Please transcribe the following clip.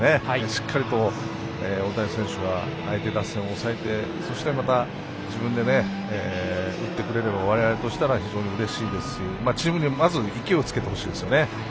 しっかりと大谷選手が相手打線を抑えてそして、自分で打ってくれれば、我々としてはうれしいですし、チームにまず勢いをつけてほしいですね。